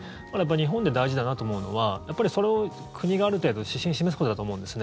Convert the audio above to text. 日本で大事だなと思うのはそれを国がある程度指針を示すことだと思うんです。